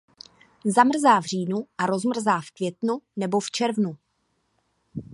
Zamrzá v říjnu a rozmrzá v květnu nebo v červnu.